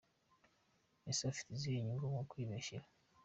Ese afite izihe nyungu mu kwibeshyera ?.